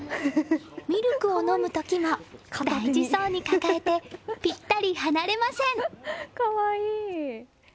ミルクを飲む時も大事そうに抱えてぴったり離れません。